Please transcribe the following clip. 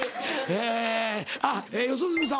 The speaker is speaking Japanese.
えあっ四十住さん